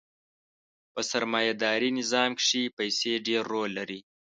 په سرمایه داري نظام کښې پیسې ډېر رول لري.